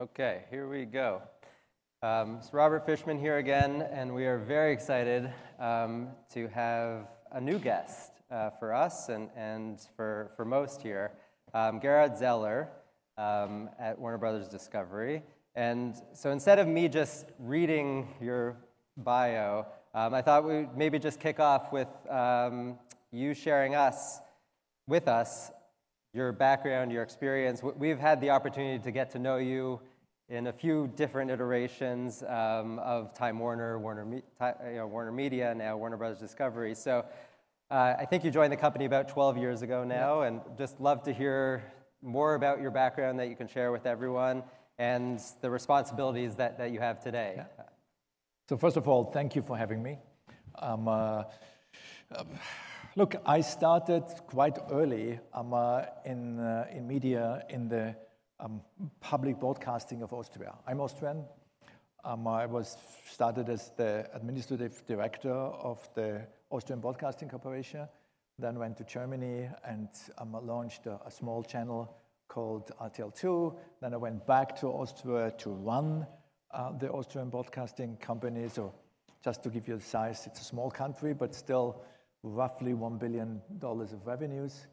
Okay, here we go. It's Robert Fishman here again, and we are very excited to have a new guest for us and for most here, Gerhard Zeiler at Warner Bros. Discovery. So instead of me just reading your bio, I thought we'd maybe just kick off with you sharing with us your background, your experience. We've had the opportunity to get to know you in a few different iterations of Time Warner, WarnerMedia, you know, now Warner Bros. Discovery. So, I think you joined the company about 12 years ago now- Yeah. And just love to hear more about your background that you can share with everyone, and the responsibilities that you have today. Yeah. So first of all, thank you for having me. Look, I started quite early in media in the public broadcasting of Austria. I'm Austrian. I started as the administrative director of the Austrian Broadcasting Corporation, then went to Germany and launched a small channel called RTL II. Then I went back to Austria to run the Austrian Broadcasting Company. So just to give you a size, it's a small country, but still roughly $1 billion of revenues.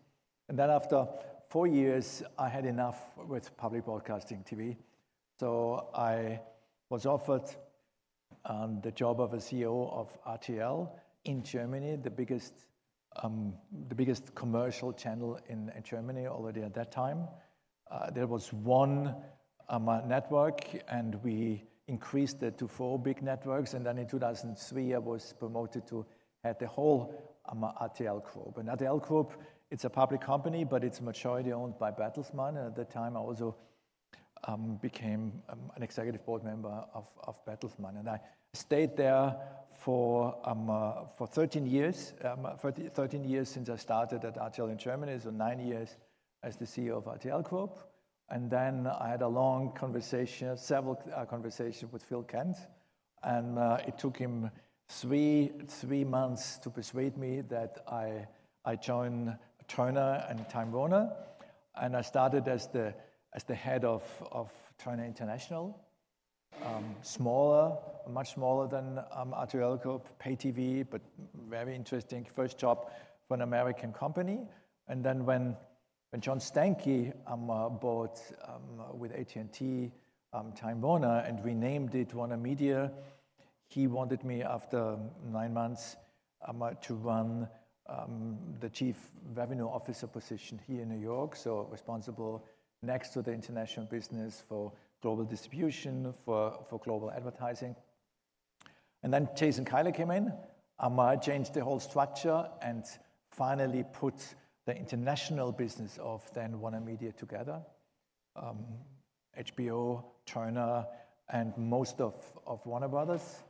And then after four years, I had enough with public broadcasting TV, so I was offered the job of a CEO of RTL in Germany, the biggest commercial channel in Germany already at that time. There was one network, and we increased it to four big networks. And then in 2003, I was promoted to head the whole RTL Group. RTL Group, it's a public company, but it's majority-owned by Bertelsmann. At the time, I also became an executive board member of Bertelsmann, and I stayed there for 13 years. 13 years since I started at RTL in Germany, so nine years as the CEO of RTL Group. And then I had a long conversation, several conversation with Phil Kent, and it took him three months to persuade me that I join Turner and Time Warner. And I started as the head of Turner International. Smaller, much smaller than RTL Group, pay TV, but very interesting first job for an American company. And then when John Stankey bought, with AT&T, Time Warner and renamed it WarnerMedia, he wanted me, after nine months, to run the chief revenue officer position here in New York. So responsible next to the international business for global distribution, for global advertising. And then Jason Kilar came in, changed the whole structure, and finally put the international business of then WarnerMedia together, HBO, Turner, and most of Warner Brothers.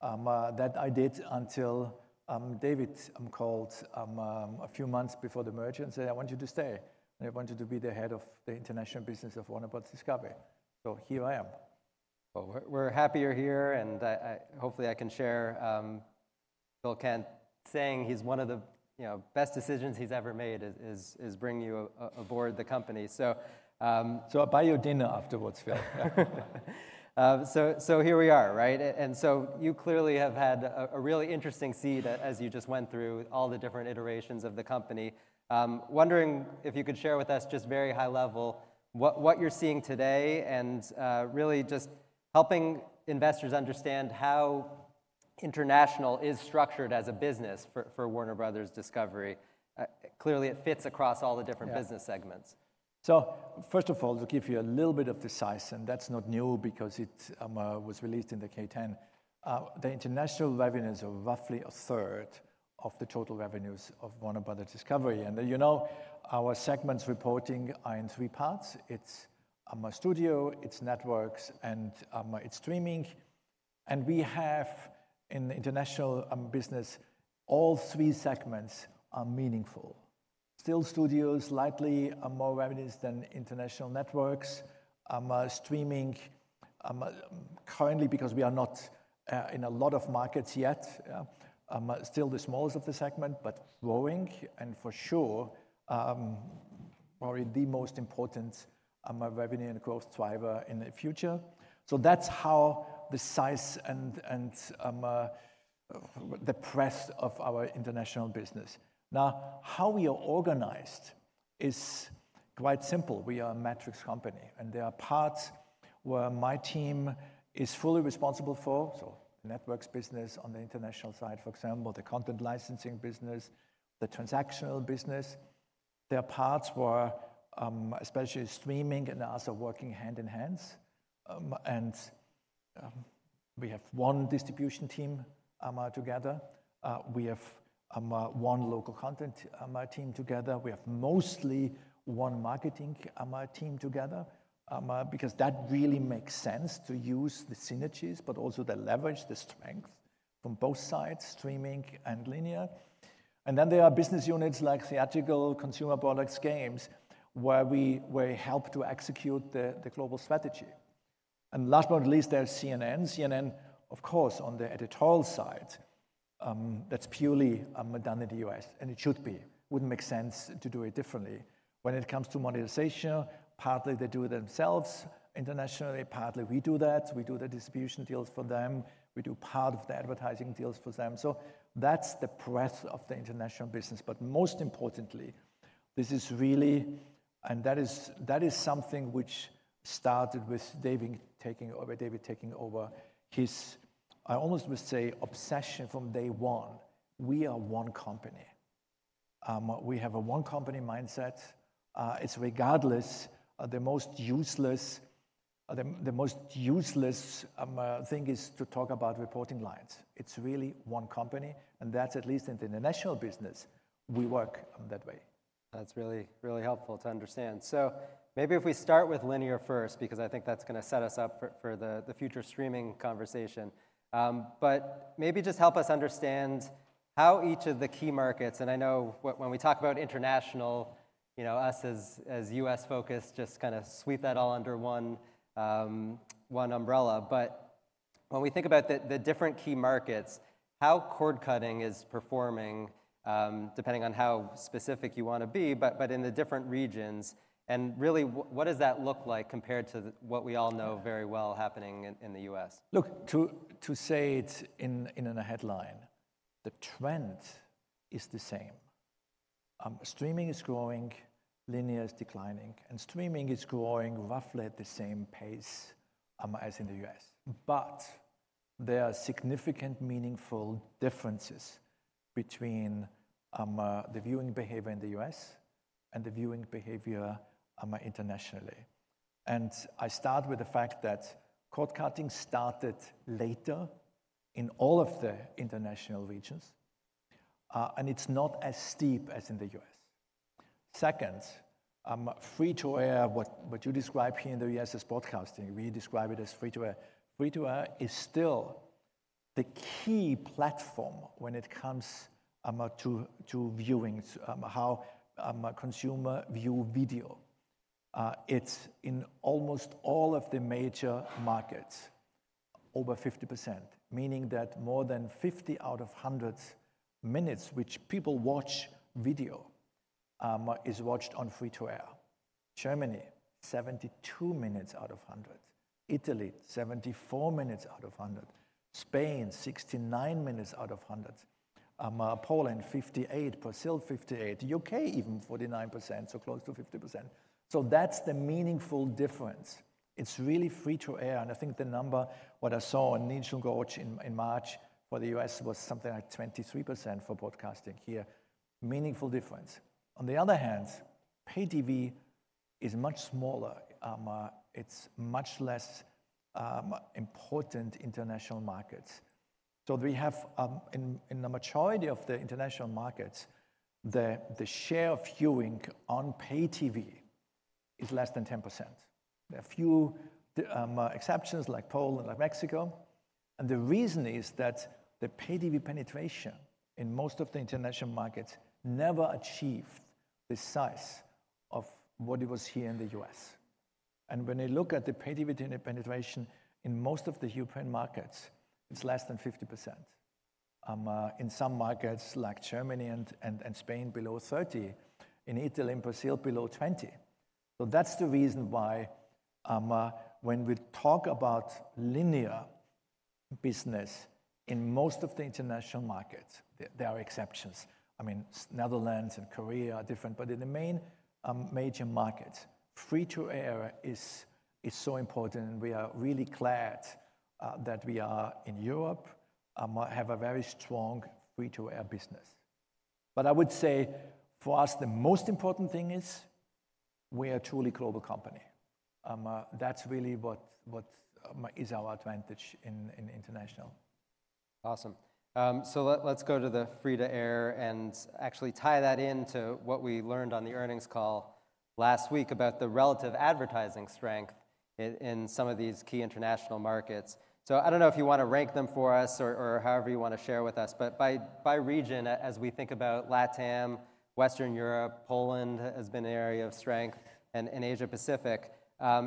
That I did until David called a few months before the merger and said: "I want you to stay, and I want you to be the head of the international business of Warner Bros. Discovery." So here I am. Well, we're happy you're here, and I. Hopefully, I can share Phil Kent saying he's one of the, you know, best decisions he's ever made is bringing you aboard the company. So, So I'll buy you dinner afterwards, Phil. So here we are, right? So you clearly have had a really interesting seat, as you just went through all the different iterations of the company. Wondering if you could share with us, just very high level, what you're seeing today and really just helping investors understand how international is structured as a business for Warner Bros. Discovery. Clearly, it fits across all the different- Yeah. business segments. So first of all, to give you a little bit of the size, and that's not new because it was released in the 10-K. The international revenues are roughly a third of the total revenues of Warner Bros. Discovery. And you know, our segments reporting are in three parts: it's studio, it's networks, and it's streaming. And we have, in the international business, all three segments are meaningful. Still, studios likely are more revenues than international networks. Streaming currently, because we are not in a lot of markets yet, are still the smallest of the segment, but growing and for sure probably the most important revenue and growth driver in the future. So that's how the size and the presence of our international business. Now, how we are organized is quite simple. We are a matrix company, and there are parts where my team is fully responsible for, so networks business on the international side, for example, the content licensing business, the transactional business. There are parts where, especially streaming and us are working hand in hands. And, we have one distribution team together. We have one local content team together. We have mostly one marketing team together, because that really makes sense to use the synergies, but also the leverage, the strength from both sides, streaming and linear. And then there are business units like theatrical, consumer products, games, where we help to execute the global strategy. And last but not least, there's CNN. CNN, of course, on the editorial side, that's purely done in the U.S., and it should be. Wouldn't make sense to do it differently. When it comes to monetization, partly they do it themselves internationally, partly we do that. We do the distribution deals for them. We do part of the advertising deals for them. So that's the breadth of the international business, but most importantly, this is really. And that is, that is something which started with David taking over, David taking over. His, I almost must say, obsession from day one: we are one company. We have a one-company mindset. It's regardless of the most useless thing is to talk about reporting lines. It's really one company, and that's at least in the international business, we work that way. That's really, really helpful to understand. So maybe if we start with linear first, because I think that's gonna set us up for, for the, the future streaming conversation. But maybe just help us understand how each of the key markets, and I know when we talk about international, you know, us as, as U.S.-focused, just kinda sweep that all under one, one umbrella. But when we think about the, the different key markets, how cord-cutting is performing, depending on how specific you wanna be, but, but in the different regions, and really, what does that look like compared to the what we all know very well happening in, in the U.S.? Look, to say it in a headline, the trend is the same. Streaming is growing, linear is declining, and streaming is growing roughly at the same pace, as in the U.S. But there are significant, meaningful differences between the viewing behavior in the U.S. and the viewing behavior internationally. And I start with the fact that cord-cutting started later in all of the international regions, and it's not as steep as in the U.S. Second, free-to-air, what you describe here in the U.S. as broadcasting, we describe it as free-to-air. Free-to-air is still the key platform when it comes to viewings, how a consumer view video. It's in almost all of the major markets, over 50%, meaning that more than 50 out of 100 minutes which people watch video is watched on free-to-air. Germany, 72 minutes out of 100; Italy, 74 minutes out of 100; Spain, 69 minutes out of 100; Poland, 58; Brazil, 58; U.K., even 49%, so close to 50%. So that's the meaningful difference. It's really free-to-air, and I think the number, what I saw on Nielsen Gauge in March for the U.S., was something like 23% for broadcasting here, meaningful difference. On the other hand, pay TV is much smaller. It's much less important international markets. So we have in the majority of the international markets, the share of viewing on pay TV is less than 10%. There are a few exceptions like Poland and Mexico, and the reason is that the pay TV penetration in most of the international markets never achieved the size of what it was here in the U.S. When you look at the pay TV penetration in most of the European markets, it's less than 50%. In some markets, like Germany and Spain, below 30. In Italy and Brazil, below 20. So that's the reason why, when we talk about linear business in most of the international markets, there are exceptions. I mean, Netherlands and Korea are different, but in the main major markets, free-to-air is so important, and we are really glad that we are in Europe, have a very strong free-to-air business. But I would say, for us, the most important thing is we are a truly global company. That's really what is our advantage in international. Awesome. So let's go to the free-to-air and actually tie that in to what we learned on the earnings call last week about the relative advertising strength in some of these key international markets. So I don't know if you want to rank them for us or however you want to share with us, but by region, as we think about LATAM, Western Europe, Poland has been an area of strength, and Asia Pacific,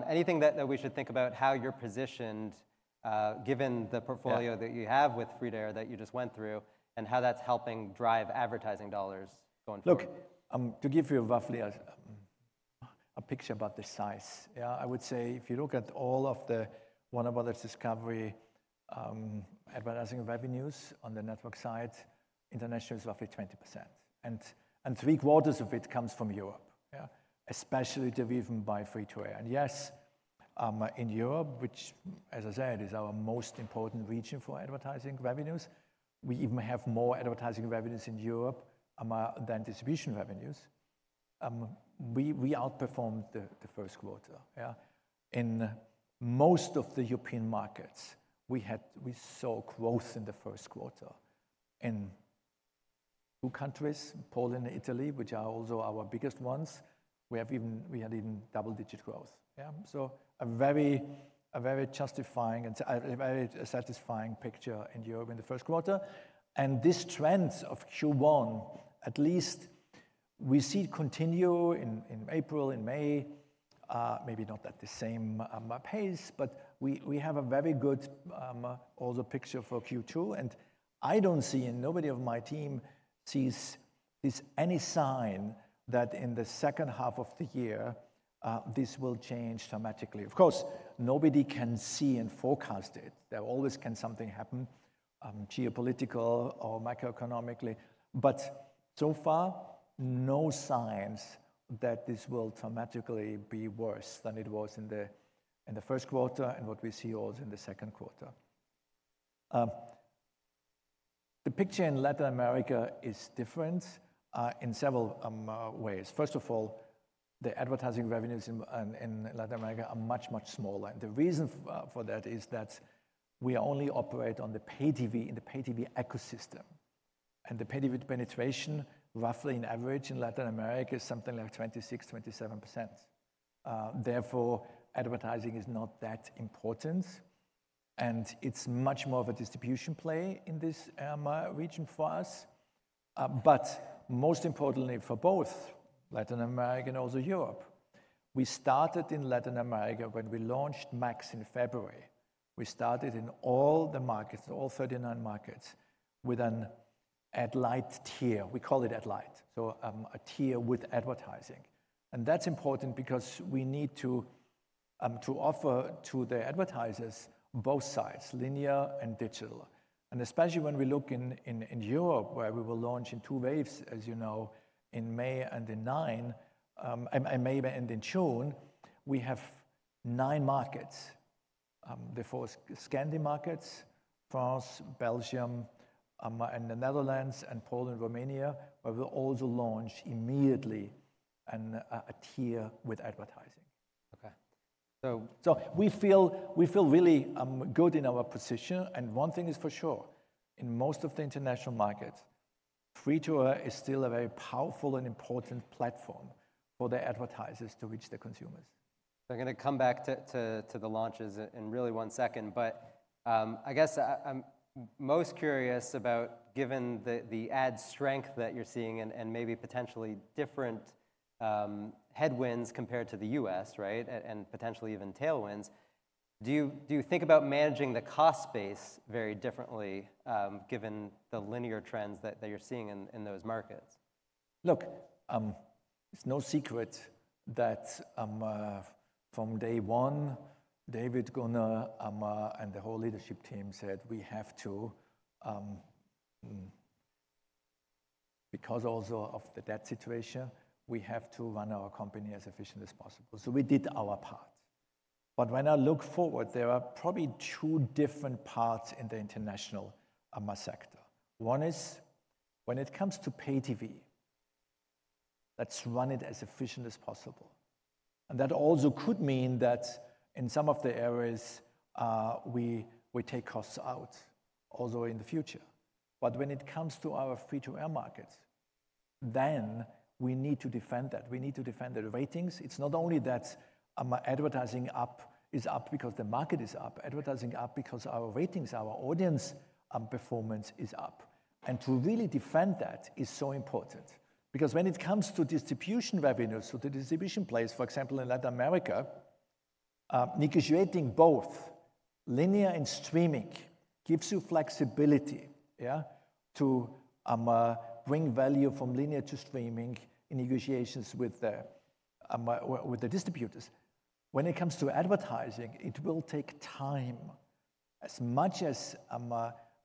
anything that we should think about how you're positioned, given the- Yeah Portfolio that you have with free-to-air that you just went through, and how that's helping drive advertising dollars going forward? Look, to give you roughly a picture about the size, yeah, I would say if you look at all of the Warner Bros. Discovery advertising revenues on the network side, international is roughly 20%, and three-quarters of it comes from Europe, yeah, especially driven by free-to-air. And yes, in Europe, which, as I said, is our most important region for advertising revenues, we even have more advertising revenues in Europe than distribution revenues. We outperformed the first quarter, yeah. In most of the European markets, we had - we saw growth in the first quarter. In two countries, Poland and Italy, which are also our biggest ones, we have even. we had even double-digit growth, yeah? So a very justifying and a very satisfying picture in Europe in the first quarter, and this trend of Q1 at least we see it continue in April and May, maybe not at the same pace, but we have a very good also picture for Q2, and I don't see, and nobody of my team sees any sign that in the second half of the year this will change dramatically. Of course, nobody can see and forecast it. There always can something happen, geopolitical or macroeconomically, but so far, no signs that this will dramatically be worse than it was in the first quarter and what we see also in the second quarter. The picture in Latin America is different in several ways. First of all, the advertising revenues in Latin America are much, much smaller, and the reason for that is that we only operate on the pay TV, in the pay TV ecosystem, and the pay TV penetration, roughly in average in Latin America, is something like 26-27%. Therefore, advertising is not that important, and it's much more of a distribution play in this region for us. But most importantly, for both Latin America and also Europe, we started in Latin America when we launched Max in February. We started in all the markets, all 39 markets, with an ad-light tier. We call it ad-light, a tier with advertising. And that's important because we need to offer to the advertisers both sides, linear and digital. Especially when we look in Europe, where we will launch in two waves, as you know, in May and then June, we have nine markets. The four Scandi markets, France, Belgium, and the Netherlands, and Poland, Romania, where we'll also launch immediately a tier with advertising. Okay. So we feel really good in our position, and one thing is for sure: in most of the international markets, free-to-air is still a very powerful and important platform for the advertisers to reach the consumers. I'm gonna come back to the launches in really one second, but I guess I'm most curious about, given the ad strength that you're seeing and maybe potentially different headwinds compared to the U.S., right? And potentially even tailwinds. Do you think about managing the cost base very differently, given the linear trends that you're seeing in those markets? Look, it's no secret that, from day one, David, Gunnar and the whole leadership team said we have to, because also of the debt situation, we have to run our company as efficient as possible, so we did our part. But when I look forward, there are probably two different parts in the international sector. One is, when it comes to pay TV, let's run it as efficient as possible, and that also could mean that in some of the areas, we take costs out, also in the future. But when it comes to our free-to-air markets, then we need to defend that. We need to defend the ratings. It's not only that, advertising is up because the market is up. Advertising up because our ratings, our audience performance is up. To really defend that is so important because when it comes to distribution revenue, so the distribution place, for example, in Latin America, negotiating both linear and streaming gives you flexibility, yeah? To bring value from linear to streaming in negotiations with the distributors. When it comes to advertising, it will take time. As much as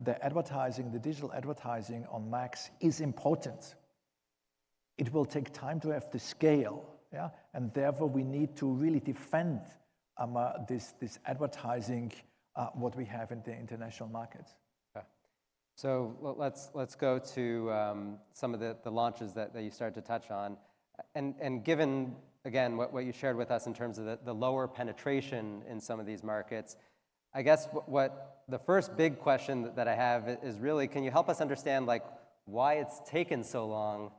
the advertising, the digital advertising on Max is important, it will take time to have the scale, yeah? And therefore, we need to really defend this advertising what we have in the international markets. Yeah. So let's, let's go to, some of the, the launches that, that you started to touch on. And, and given, again, what, what you shared with us in terms of the, the lower penetration in some of these markets, I guess what. The first big question that I have is really, can you help us understand, like, why it's taken so long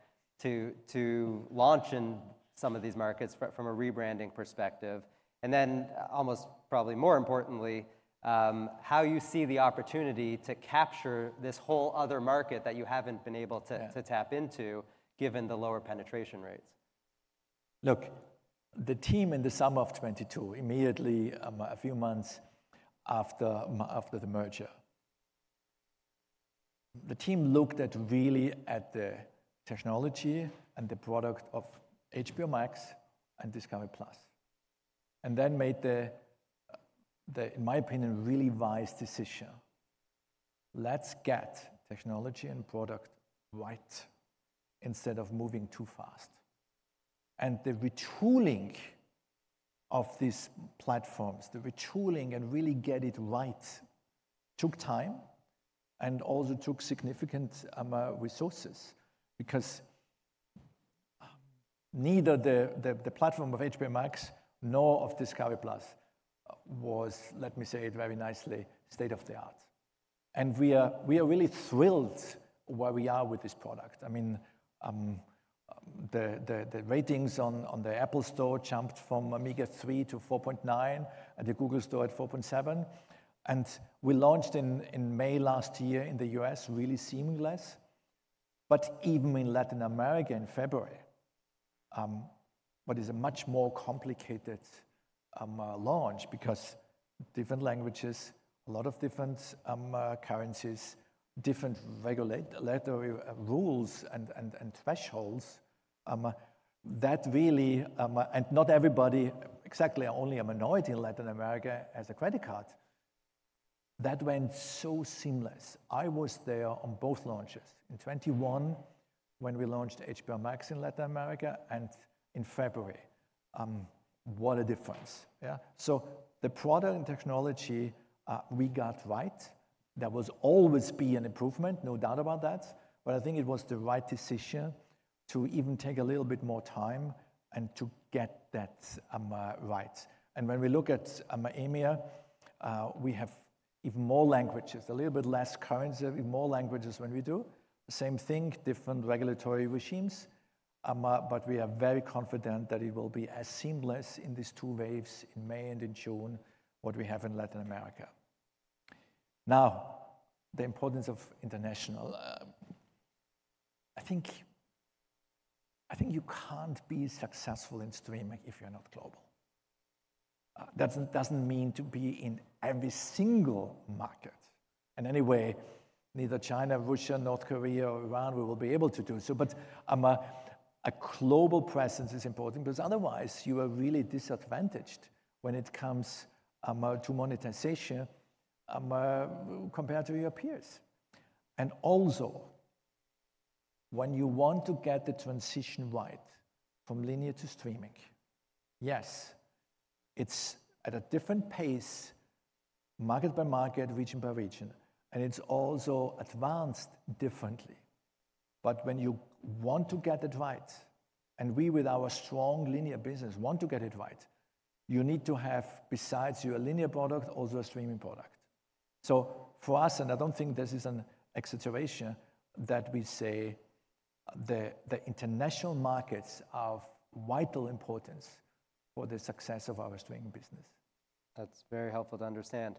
to, to launch in some of these markets from, from a rebranding perspective? And then, almost probably more importantly, how you see the opportunity to capture this whole other market that you haven't been able to- Yeah To tap into, given the lower penetration rates. Look, the team in the summer of 2022, immediately, a few months after the merger, the team looked at really at the technology and the product of HBO Max and Discovery+, and then made the, in my opinion, really wise decision: Let's get technology and product right instead of moving too fast. And the retooling of these platforms, the retooling and really get it right, took time and also took significant resources because neither the platform of HBO Max nor of Discovery+ was, let me say it very nicely, state-of-the-art. And we are really thrilled where we are with this product. I mean, the ratings on the Apple Store jumped from a meager 3 to 4.9, and the Google Store at 4.7, and we launched in May last year in the U.S., really seamless. But even in Latin America, in February, but it's a much more complicated launch because different languages, a lot of different currencies, different regulatory rules, and thresholds. And not everybody, exactly, only a minority in Latin America, has a credit card. That went so seamless. I was there on both launches, in 2021, when we launched HBO Max in Latin America, and in February. What a difference, yeah? So the product and technology, we got right. There will always be an improvement, no doubt about that, but I think it was the right decision to even take a little bit more time and to get that right. And when we look at EMEA, we have even more languages, a little bit less currency, but more languages when we do. The same thing, different regulatory regimes, but we are very confident that it will be as seamless in these two waves, in May and in June, what we have in Latin America. Now, the importance of international. I think, I think you can't be successful in streaming if you're not global. That doesn't, doesn't mean to be in every single market, and anyway, neither China, Russia, North Korea or Iran, we will be able to do so. But, a global presence is important, because otherwise you are really disadvantaged when it comes to monetization compared to your peers. And also, when you want to get the transition right from linear to streaming, yes, it's at a different pace, market by market, region by region, and it's also advanced differently. But when you want to get it right, and we, with our strong linear business, want to get it right, you need to have, besides your linear product, also a streaming product. So for us, and I don't think this is an exaggeration, that we say the international markets are of vital importance for the success of our streaming business. That's very helpful to understand.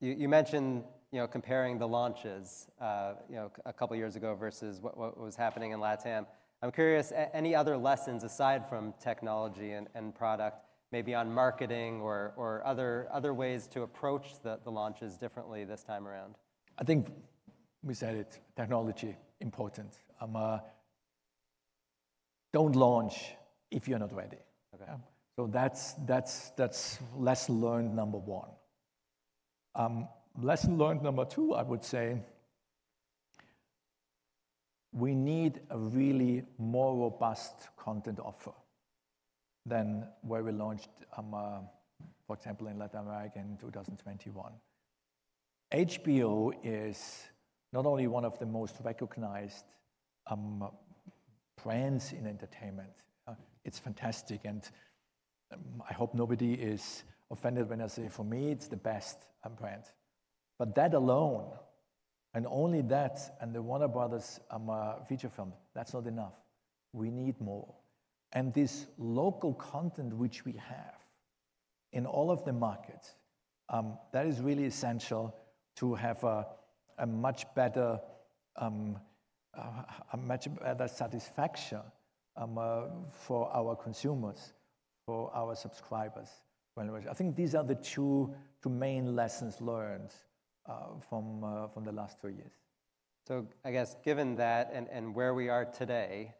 You mentioned, you know, comparing the launches, you know, a couple of years ago versus what was happening in LatAm. I'm curious, any other lessons aside from technology and product, maybe on marketing or other ways to approach the launches differently this time around? I think we said it, technology, important. Don't launch if you're not ready. Okay. So that's lesson learned number one. Lesson learned number two, I would say, we need a really more robust content offer than where we launched, for example, in Latin America in 2021. HBO is not only one of the most recognized brands in entertainment, it's fantastic, and I hope nobody is offended when I say, for me, it's the best brand. But that alone, and only that, and the Warner Bros feature film, that's not enough. We need more. And this local content which we have, in all of the markets, that is really essential to have a much better satisfaction for our consumers, for our subscribers, when we, I think these are the two main lessons learned, from the last two years. So I guess given that, and where we are today,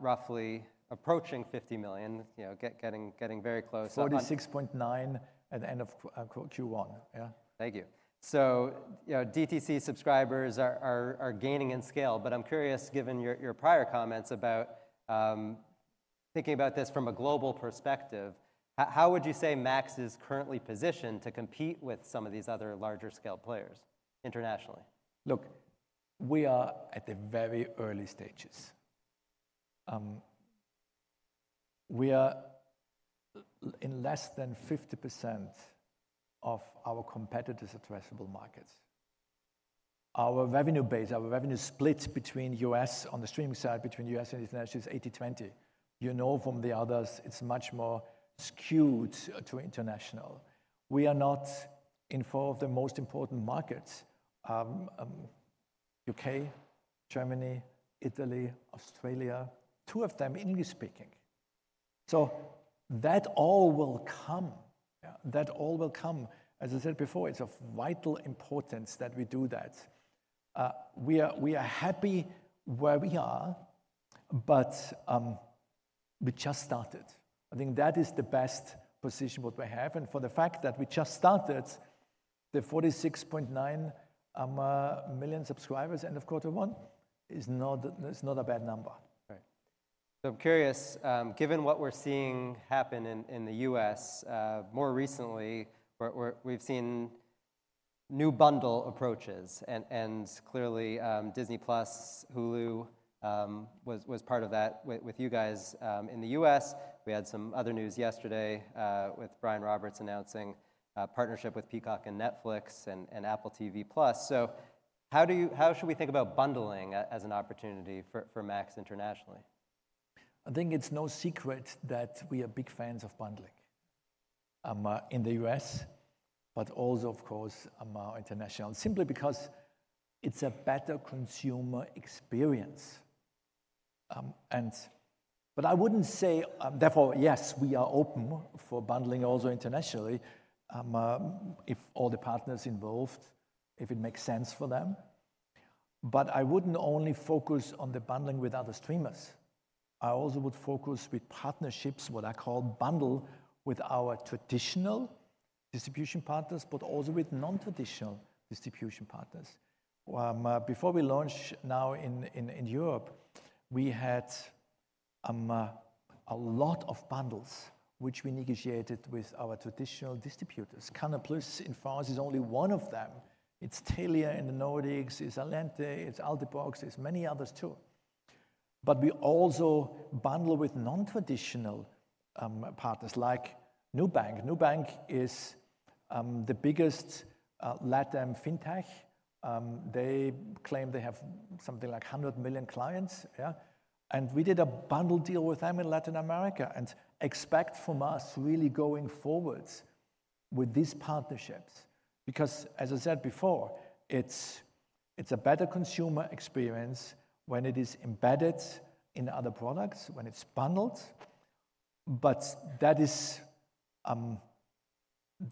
roughly approaching 50 million, you know, getting very close. 46.9 at the end of Q1. Yeah. Thank you. So, you know, DTC subscribers are gaining in scale, but I'm curious, given your prior comments about thinking about this from a global perspective, how would you say Max is currently positioned to compete with some of these other larger-scale players internationally? Look, we are at the very early stages. We are in less than 50% of our competitors' addressable markets. Our revenue base, our revenue split between U.S., on the streaming side, between U.S. and international, is 80/20. You know from the others, it's much more skewed to international. We are not in four of the most important markets, U.K., Germany, Italy, Australia, two of them English-speaking. So that all will come. Yeah. That all will come. As I said before, it's of vital importance that we do that. We are happy where we are, but we just started. I think that is the best position what we have, and for the fact that we just started, the 46.9 million subscribers end of quarter one is not a bad number. Right. So I'm curious, given what we're seeing happen in the U.S., more recently, where we've seen new bundle approaches, and clearly, Disney+, Hulu, was part of that with you guys. In the U.S., we had some other news yesterday, with Brian Roberts announcing a partnership with Peacock and Netflix and Apple TV+. So how should we think about bundling as an opportunity for Max internationally? I think it's no secret that we are big fans of bundling in the U.S., but also, of course, international, simply because it's a better consumer experience. But I wouldn't say, therefore, yes, we are open for bundling also internationally, if all the partners involved, if it makes sense for them. But I wouldn't only focus on the bundling with other streamers. I also would focus with partnerships, what I call bundle, with our traditional distribution partners, but also with non-traditional distribution partners. Before we launch now in Europe, we had a lot of bundles, which we negotiated with our traditional distributors. Canal+ in France is only one of them. It's Telia in the Nordics, it's Allente, it's Altibox, it's many others, too. But we also bundle with non-traditional partners, like Nubank. Nubank is the biggest LatAm fintech. They claim they have something like 100 million clients, yeah? And we did a bundle deal with them in Latin America, and expect from us really going forwards with these partnerships because, as I said before, it's a better consumer experience when it is embedded in other products, when it's bundled. But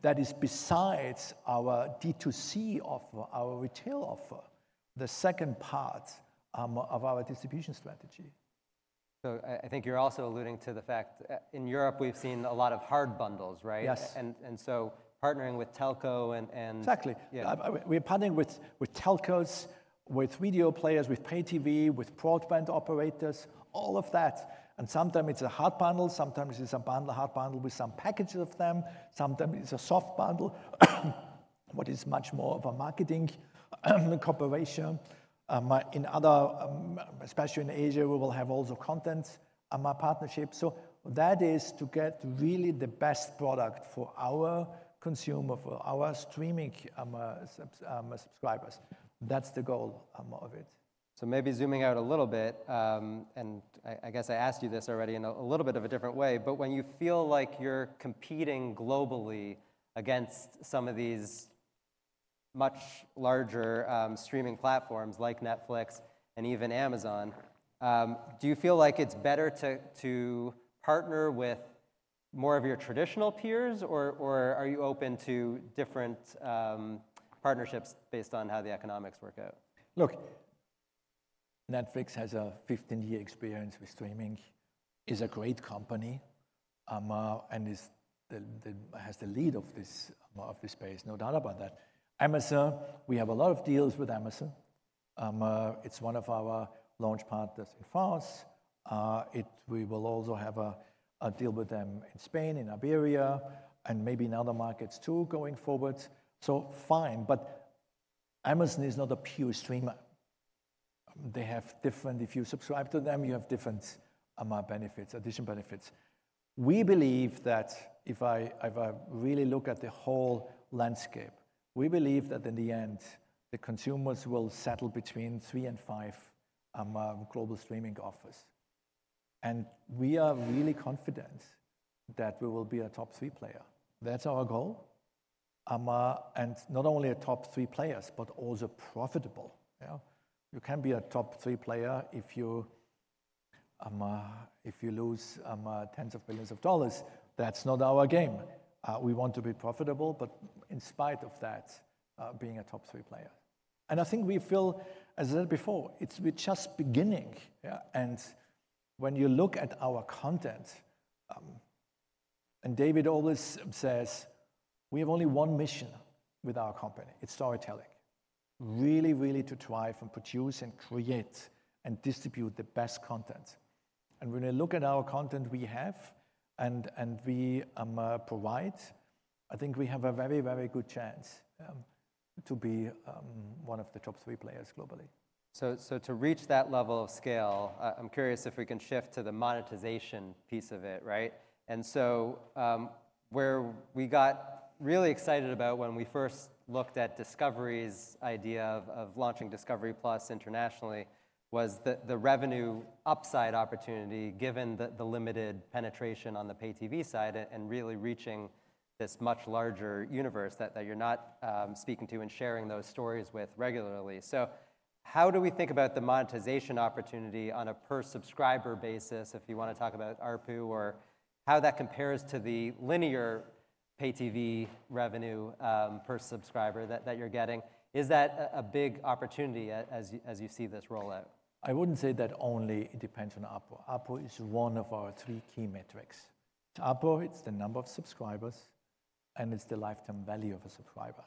that is besides our D2C offer, our retail offer, the second part of our distribution strategy. So I think you're also alluding to the fact, in Europe, we've seen a lot of hard bundles, right? Yes. And so partnering with telco and Exactly. Yeah. We're partnering with telcos, with video players, with pay TV, with broadband operators, all of that, and sometimes it's a hard bundle, sometimes it's a bundle, a hard bundle with some packages of them. Sometimes it's a soft bundle, what is much more of a marketing cooperation. In other, especially in Asia, we will have also content partnerships. So that is to get really the best product for our consumer, for our streaming subscribers. That's the goal of it. So maybe zooming out a little bit. And I guess I asked you this already in a little bit of a different way. But when you feel like you're competing globally against some of these much larger streaming platforms like Netflix and even Amazon, do you feel like it's better to partner with more of your traditional peers, or are you open to different partnerships based on how the economics work out? Look, Netflix has a 15-year experience with streaming, is a great company, and has the lead of this space, no doubt about that. Amazon, we have a lot of deals with Amazon. It's one of our launch partners in France. We will also have a deal with them in Spain, in Iberia, and maybe in other markets, too, going forward. So fine, but Amazon is not a pure streamer. They have different, if you subscribe to them, you have different benefits, additional benefits. We believe that if I really look at the whole landscape, we believe that in the end, the consumers will settle between three and five global streaming offers. And we are really confident that we will be a top-three player. That's our goal. And not only a top-three players, but also profitable, yeah? You can't be a top-three player if you lose tens of billions of dollars. That's not our game. We want to be profitable, but in spite of that, being a top-three player. And I think we feel, as I said before, it's we're just beginning, yeah? And when you look at our content. And David always says, "We have only one mission with our company. It's storytelling." Really, really to try and produce and create and distribute the best content. And when I look at our content we have, and we provide, I think we have a very, very good chance to be one of the top-three players globally. So to reach that level of scale, I'm curious if we can shift to the monetization piece of it, right? And so, where we got really excited about when we first looked at Discovery's idea of launching Discovery+ internationally, was the revenue upside opportunity, given the limited penetration on the pay TV side, and really reaching this much larger universe that you're not speaking to and sharing those stories with regularly. So how do we think about the monetization opportunity on a per-subscriber basis, if you wanna talk about ARPU, or how that compares to the linear pay TV revenue per subscriber that you're getting? Is that a big opportunity as you see this roll out? I wouldn't say that only it depends on ARPU. ARPU is one of our three key metrics. ARPU, it's the number of subscribers, and it's the lifetime value of a subscriber.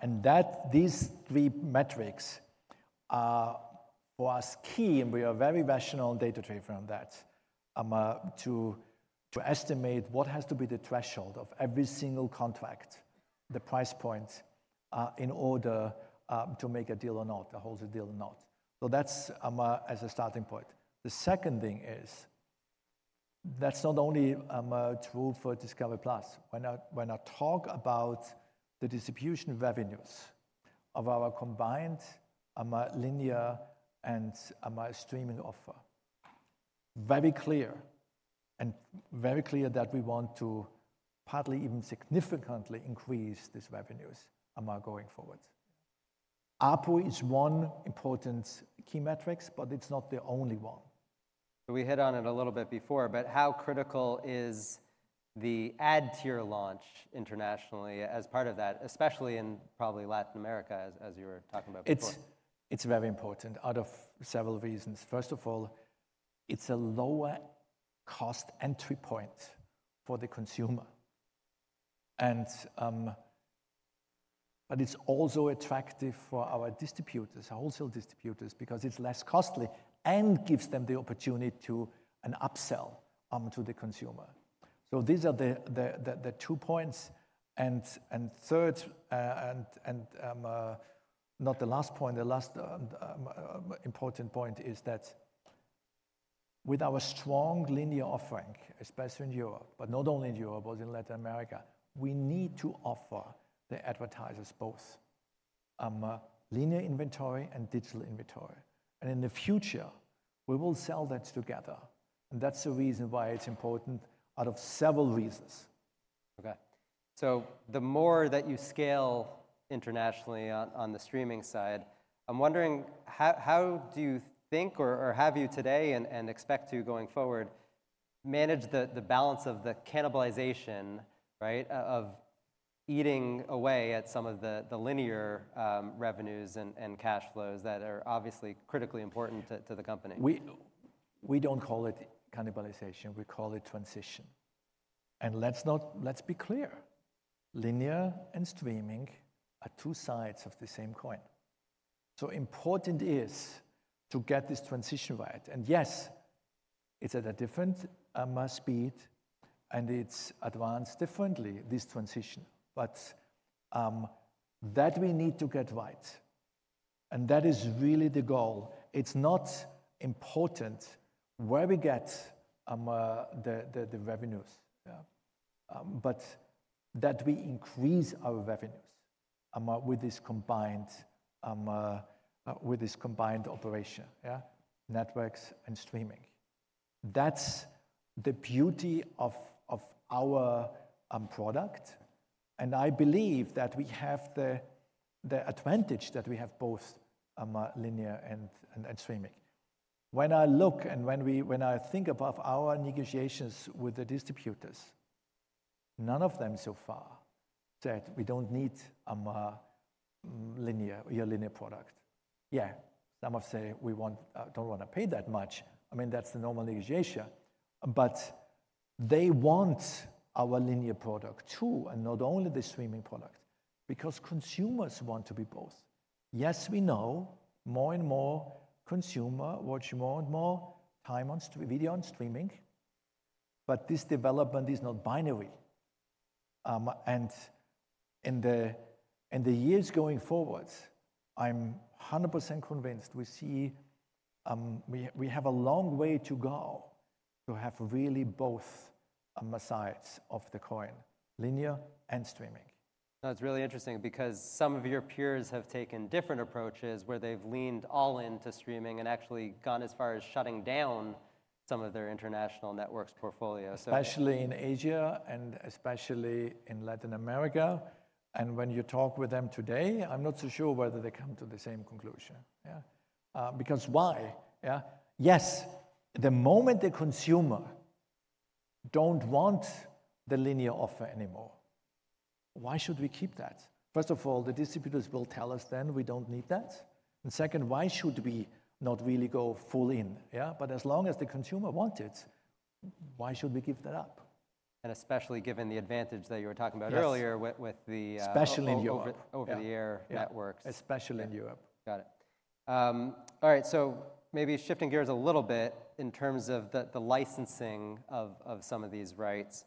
And that, these three metrics are, for us, key, and we are very rational and data-driven on that. To estimate what has to be the threshold of every single contract, the price point, in order to make a deal or not, to close the deal or not. So that's as a starting point. The second thing is, that's not only true for Discovery+. When I talk about the distribution revenues of our combined linear and streaming offering - very clear, and very clear that we want to partly, even significantly, increase these revenues, going forward. ARPU is one important key metrics, but it's not the only one. We hit on it a little bit before, but how critical is the ad tier launch internationally as part of that, especially in probably Latin America, as you were talking about before? It's very important out of several reasons. First of all, it's a lower-cost entry point for the consumer, and but it's also attractive for our distributors, our wholesale distributors, because it's less costly and gives them the opportunity to an upsell to the consumer. So these are the two points, and third, not the last point; the last important point is that with our strong linear offering, especially in Europe, but not only in Europe, but in Latin America, we need to offer the advertisers both linear inventory and digital inventory. And in the future, we will sell that together, and that's the reason why it's important, out of several reasons. Okay, so the more that you scale internationally on the streaming side, I'm wondering how do you think, or have you today, and expect to, going forward, manage the balance of the cannibalization, right, of eating away at some of the linear revenues and cash flows that are obviously critically important to the company? We don't call it cannibalization; we call it transition. And let's not—let's be clear: linear and streaming are two sides of the same coin. So important is to get this transition right, and yes, it's at a different speed, and it's advanced differently, this transition, but that we need to get right, and that is really the goal. It's not important where we get the revenues, yeah, but that we increase our revenues with this combined operation, yeah? Networks and streaming. That's the beauty of our product, and I believe that we have the advantage that we have both linear and streaming. When I look and when I think about our negotiations with the distributors, none of them so far said, "We don't need linear, your linear product." Yeah, some have said, "We want, don't want to pay that much." I mean, that's the normal negotiation. But they want our linear product, too, and not only the streaming product, because consumers want to be both. Yes, we know more and more consumer watch more and more time on streaming, but this development is not binary. And in the years going forward, I'm 100% convinced we see we have a long way to go to have really both sides of the coin, linear and streaming. That's really interesting because some of your peers have taken different approaches, where they've leaned all into streaming and actually gone as far as shutting down some of their international networks portfolio, so- Especially in Asia and especially in Latin America, and when you talk with them today, I'm not so sure whether they come to the same conclusion, yeah. Because why, yeah? Yes, the moment the consumer don't want the linear offer anymore, why should we keep that? First of all, the distributors will tell us then we don't need that. And second, why should we not really go full in, yeah? But as long as the consumer want it, why should we give that up? Especially given the advantage that you were talking about- Yes Earlier with the, Especially in Europe. Over-the-air networks. Yeah, especially in Europe. Got it. All right, so maybe shifting gears a little bit in terms of the licensing of some of these rights.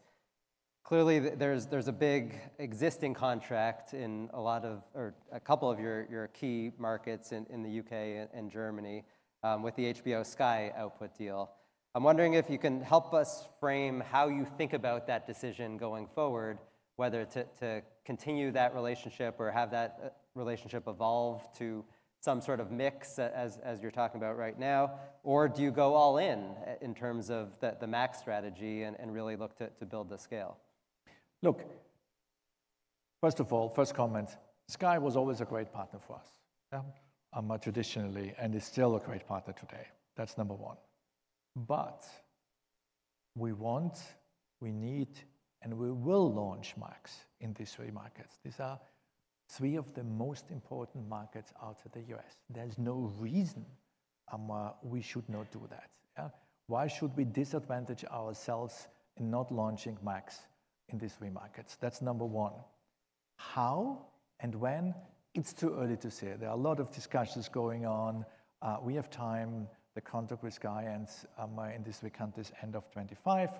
Clearly, there's a big existing contract in a lot of, or a couple of your key markets in the U.K. and Germany, with the HBO Sky output deal. I'm wondering if you can help us frame how you think about that decision going forward, whether to continue that relationship or have that relationship evolve to some sort of mix, as you're talking about right now, or do you go all in, in terms of the Max strategy and really look to build the scale? Look, first of all, first comment: Sky was always a great partner for us, yeah, traditionally, and is still a great partner today. That's number one. But we want, we need, and we will launch Max in these three markets. These are three of the most important markets out of the U.S. There's no reason we should not do that, yeah? Why should we disadvantage ourselves in not launching Max in these three markets? That's number one. How and when? It's too early to say. There are a lot of discussions going on. We have time. The contract with Sky ends in this calendar end of 2025,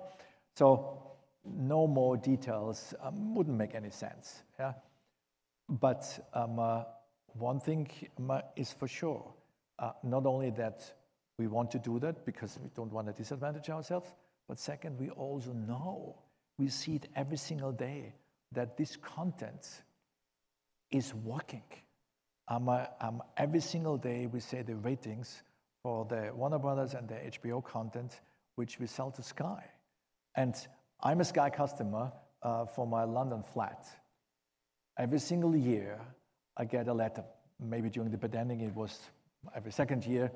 so no more details, wouldn't make any sense, yeah? But one thing is for sure, not only that we want to do that because we don't want to disadvantage ourselves, but second, we also know, we see it every single day, that this content is working. Every single day, we see the ratings for the Warner Bros. and the HBO content, which we sell to Sky. And I'm a Sky customer, for my London flat. Every single year, I get a letter, maybe during the pandemic it was every second year,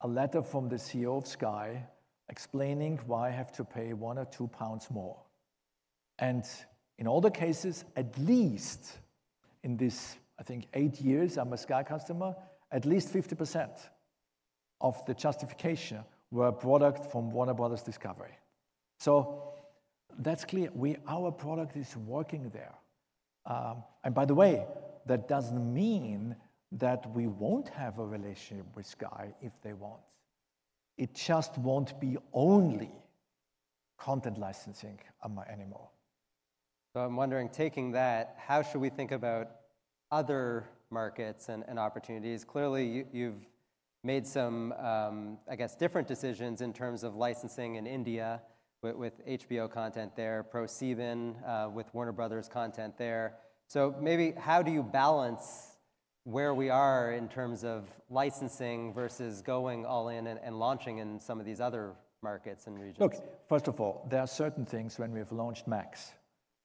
a letter from the CEO of Sky explaining why I have to pay 1 or 2 pounds more. And in all the cases, at least in this, I think, eight years I'm a Sky customer, at least 50% of the justification were a product from Warner Bros. Discovery. So that's clear, our product is working there. And by the way, that doesn't mean that we won't have a relationship with Sky if they want. It just won't be only content licensing anymore. So I'm wondering, taking that, how should we think about other markets and, and opportunities? Clearly, you, you've made some, I guess, different decisions in terms of licensing in India with, with HBO content there, ProSieben, with Warner Bros. content there. So maybe how do you balance where we are in terms of licensing versus going all in and, and launching in some of these other markets and regions? Look, first of all, there are certain things when we have launched Max,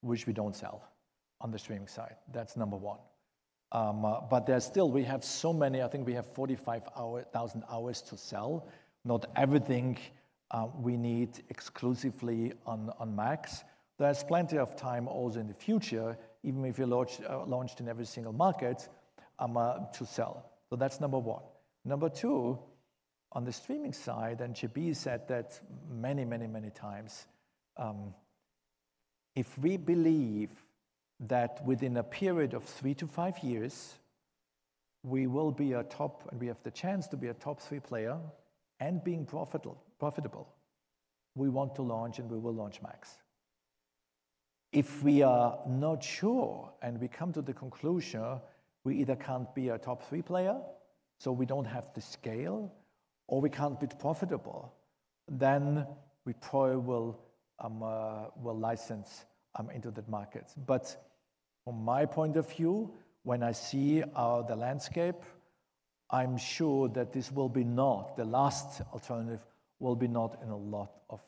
which we don't sell on the streaming side. That's number one. But there's still we have so many, I think we have 45,000 hours to sell. Not everything, we need exclusively on, on Max. There's plenty of time also in the future, even if you launch, launched in every single market, to sell. So that's number one. Number two, on the streaming side, and JB said that many, many, many times, if we believe that within a period of three-five years, we will be a top, and we have the chance to be a top-three player and being profitable, profitable, we want to launch, and we will launch Max. If we are not sure, and we come to the conclusion we either can't be a top-three player, so we don't have the scale, or we can't be profitable, then we probably will license into the markets. But from my point of view, when I see the landscape, I'm sure that this will be not, the last alternative will be not in a lot of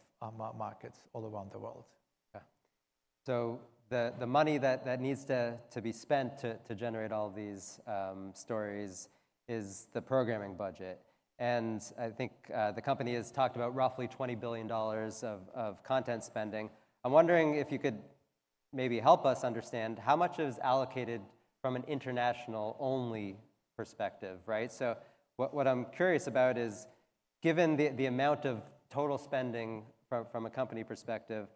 markets all around the world. Yeah. So the money that needs to be spent to generate all these stories is the programming budget, and I think the company has talked about roughly $20 billion of content spending. I'm wondering if you could maybe help us understand how much is allocated from an international-only perspective, right? So what I'm curious about is, given the amount of total spending from a company perspective,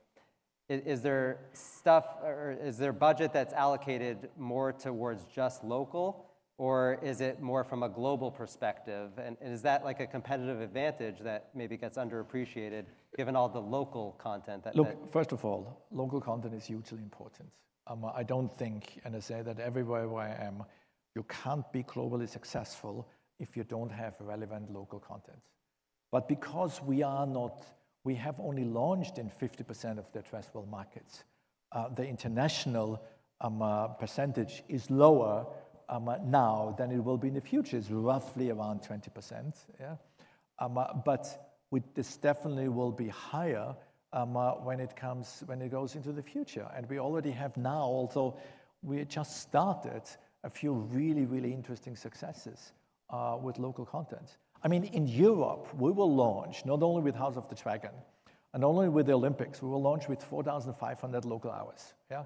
is there stuff or is there budget that's allocated more towards just local, or is it more from a global perspective? And is that like a competitive advantage that maybe gets underappreciated, given all the local content that- Look, first of all, local content is hugely important. I don't think, and I say that everywhere where I am, you can't be globally successful if you don't have relevant local content. But because we are not, we have only launched in 50% of the addressable markets, the international percentage is lower now than it will be in the future. It's roughly around 20%, yeah? But with this definitely will be higher, when it comes, when it goes into the future, and we already have now, although we just started, a few really, really interesting successes with local content. I mean, in Europe, we will launch not only with House of the Dragon and only with the Olympics, we will launch with 4,500 local hours, yeah?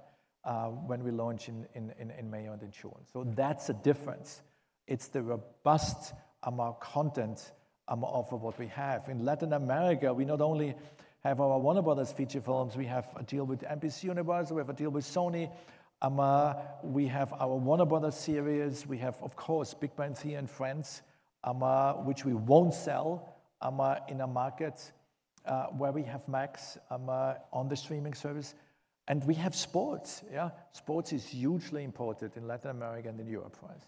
When we launch in May on the service. So that's a difference. It's the robust content of what we have. In Latin America, we not only have our Warner Bros. feature films, we have a deal with NBCUniversal, we have a deal with Sony, we have our Warner Bros. series. We have, of course, Big Frenzy and Friends, which we won't sell in a market where we have Max on the streaming service, and we have sports, yeah. Sports is hugely important in Latin America and in Europe for us.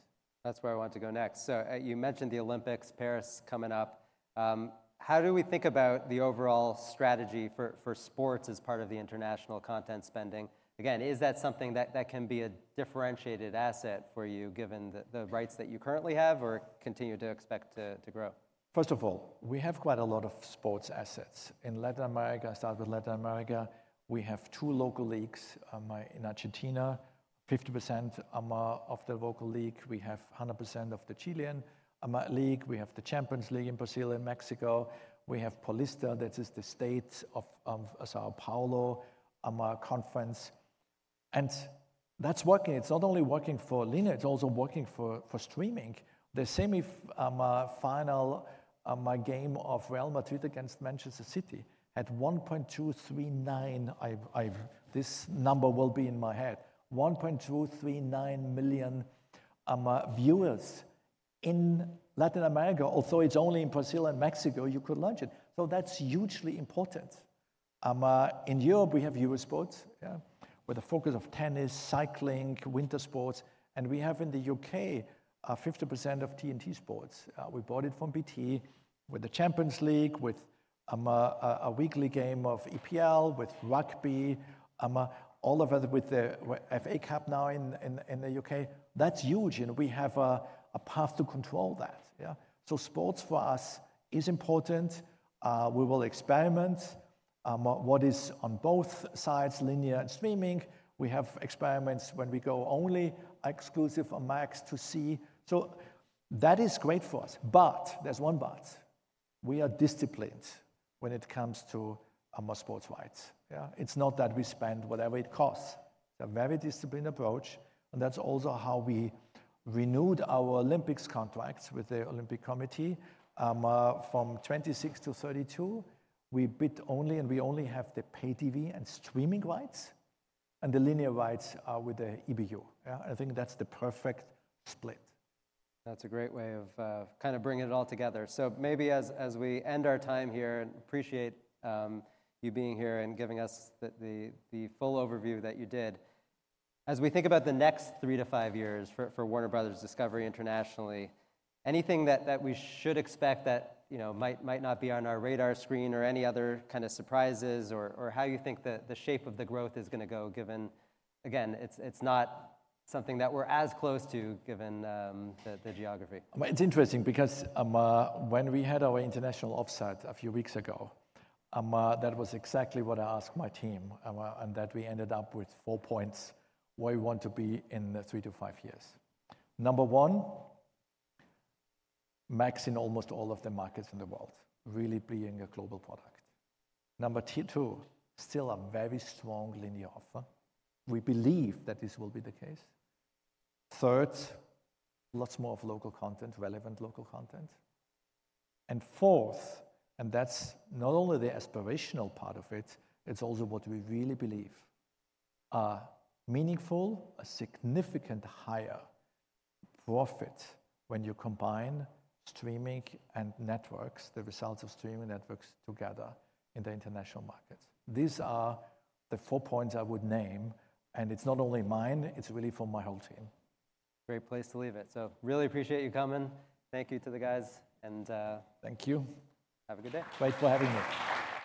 That's where I want to go next. So, you mentioned the Olympics, Paris coming up. How do we think about the overall strategy for sports as part of the international content spending? Again, is that something that can be a differentiated asset for you, given the rights that you currently have or continue to expect to grow? First of all, we have quite a lot of sports assets. In Latin America, I start with Latin America, we have two local leagues, in Argentina, 50% of the local league. We have 100% of the Chilean league. We have the Champions League in Brazil and Mexico. We have Paulista, that is the state of São Paulo conference, and that's working. It's not only working for linear, it's also working for streaming. The semi-final game of Real Madrid against Manchester City had 1.239. This number will be in my head. 1.239 million viewers in Latin America, although it's only in Brazil and Mexico, you could launch it. So that's hugely important. In Europe, we have Eurosport, yeah, with a focus of tennis, cycling, winter sports, and we have in the U.K., 50% of TNT Sports. We bought it from BT, with the Champions League, with a weekly game of EPL with rugby, all of it with the FA Cup now in the U.K. That's huge, and we have a path to control that, yeah? So sports for us is important. We will experiment, what is on both sides, linear and streaming. We have experiments when we go only exclusive on Max to see. So that is great for us, but there's one but: we are disciplined when it comes to our sports rights, yeah? It's not that we spend whatever it costs. It's a very disciplined approach, and that's also how we renewed our Olympics contracts with the Olympic Committee. From 2026-2032, we bid only, and we only have the pay TV and streaming rights, and the linear rights are with the EBU, yeah. I think that's the perfect split. That's a great way of kind of bringing it all together. So maybe as we end our time here, and appreciate you being here and giving us the full overview that you did, as we think about the next three to five years for Warner Bros. Discovery internationally, anything that we should expect that, you know, might not be on our radar screen or any other kind of surprises or how you think the shape of the growth is gonna go, given, again, it's not something that we're as close to, given the geography? It's interesting because, when we had our international offsite a few weeks ago, that was exactly what I asked my team, and that we ended up with four points where we want to be in three-five years. Number one, Max in almost all of the markets in the world, really being a global product. Number two, still a very strong linear offer. We believe that this will be the case. Third, lots more of local content, relevant local content. And fourth, and that's not only the aspirational part of it, it's also what we really believe: a meaningful, a significant higher profit when you combine streaming and networks, the results of streaming networks together in the international markets. These are the four points I would name, and it's not only mine, it's really from my whole team. Great place to leave it. So really appreciate you coming. Thank you to the guys, and, Thank you. Have a good day. Thanks for having me.